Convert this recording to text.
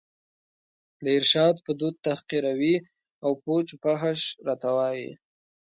د ارشاد په دود تحقیروي او پوچ و فحش راته وايي